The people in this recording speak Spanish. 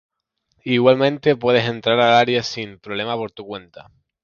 Igualmente puedes entrar al área sin problema por tu cuenta.